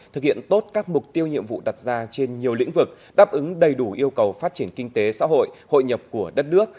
thực hiện tốt các mục tiêu nhiệm vụ đặt ra trên nhiều lĩnh vực đáp ứng đầy đủ yêu cầu phát triển kinh tế xã hội hội nhập của đất nước